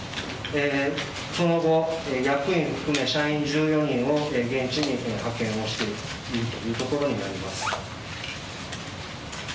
その後、役員を含め社員１４人を現地に派遣しているというところになります。